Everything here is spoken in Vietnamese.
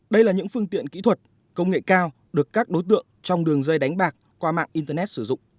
đây là những phương tiện kỹ thuật công nghệ cao được các đối tượng trong đường dây đánh bạc qua mạng internet sử dụng